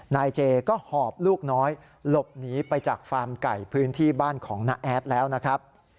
นายเจก็หอบลูกน้อยหลบหนีไปจากฟาร์มไก่พื้นที่บ้านของน้าแอดแล้วนะครับ